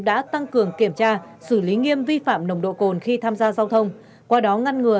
đã tăng cường kiểm tra xử lý nghiêm vi phạm nồng độ cồn khi tham gia giao thông qua đó ngăn ngừa